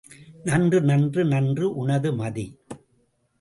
நன்று, நன்று, நன்று உனது மதி.